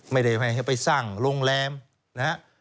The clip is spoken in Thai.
ไม่ได้ให้ไปสร้างโรงแรมนะฮะ